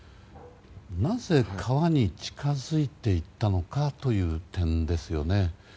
なぜ川に近づいていったのかという点ですよね。